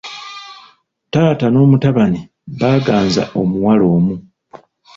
Taata n'omutabani baaganza omuwala omu.